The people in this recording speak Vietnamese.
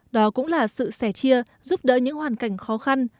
đó cũng là sự sẻ chia giúp đỡ những hoàn cảnh khó khăn